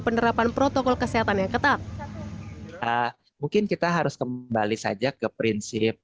penerapan protokol kesehatan yang ketat mungkin kita harus kembali saja ke prinsip